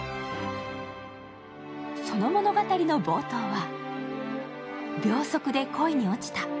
その物語の冒頭は、秒速で恋に落ちた。